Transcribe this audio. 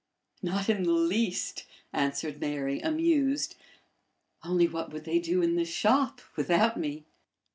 "Not in the least," answered Mary, amused. "Only what would they do in the shop without me?"